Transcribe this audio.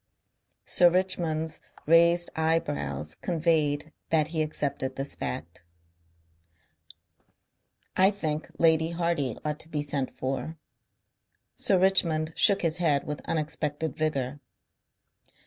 Sir Richmond's raised eyebrows conveyed that he accepted this fact. "I think Lady Hardy ought to be sent for." Sir Richmond shook his head with unexpected vigour.